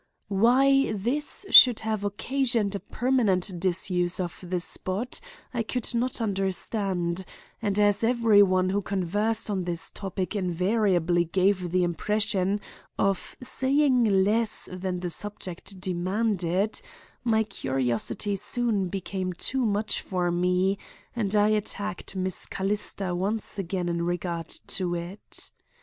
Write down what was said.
"Why this should have occasioned a permanent disuse of the spot I could not understand, and as every one who conversed on this topic invariably gave the impression of saying less than the subject demanded, my curiosity soon became too much for me and I attacked Miss Callista once again in regard to it.